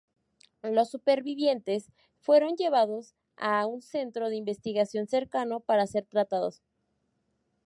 Los supervivientes fueron llevados a un centro de investigación cercano para ser tratados.